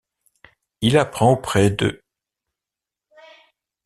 Il apprend auprès d'.